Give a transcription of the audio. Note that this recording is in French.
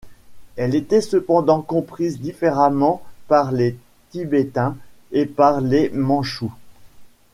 Elle était cependant comprise différemment par les Tibétains et par les Mandchous.